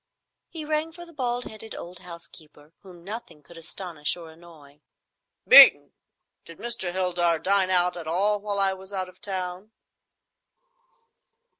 He rang for the bald headed old housekeeper, whom nothing could astonish or annoy. "Beeton, did Mr. Heldar dine out at all while I was out of town?"